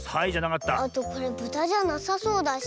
あとこれブタじゃなさそうだし。